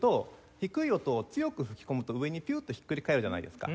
低い音を強く吹き込むと上にピューッとひっくり返るじゃないですか。